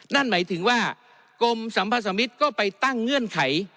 นั่นหมายถึงว่ากรมสัมพสมิตรก็ไปตั้งเงื่อนไข